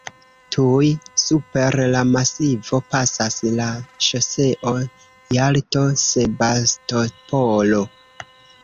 Tuj super la masivo pasas la ŝoseo Jalto-Sebastopolo.